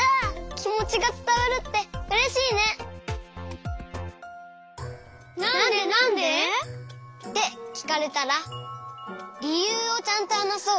きもちがつたわるってうれしいね！ってきかれたらりゆうをちゃんとはなそう。